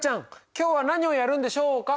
今日は何をやるんでしょうか？